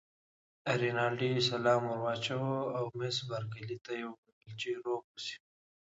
رینالډي سلام ور واچاوه او مس بارکلي ته یې وویل چې روغ اوسی.